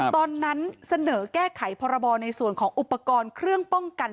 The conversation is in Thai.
ตอนนั้นเสนอแก้ไขพรบในส่วนของอุปกรณ์เครื่องป้องกัน